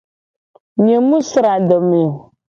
Nye mu sra adome o.